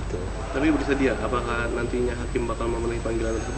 tapi berdiri dia apakah nantinya hakim bakal memenuhi panggilan tersebut